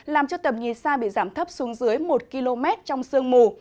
làm cho tầm nhìn xa bị giảm thấp xuống dưới một km trong sương mù